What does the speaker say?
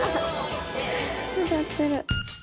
歌ってる。